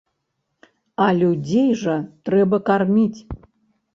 А людзей жа трэба карміць!